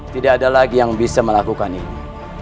tidak ada lagi yang bisa melakukan ini